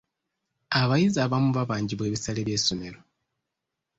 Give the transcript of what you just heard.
Abayizi abamu babanjibwa ebisale by'essomero.